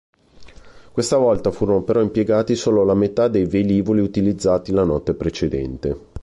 Questa volta furono però impiegati solo la metà dei velivoli utilizzati la notte precedente.